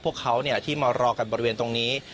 พวกเขาที่มารอกันบริเวณตรงนี้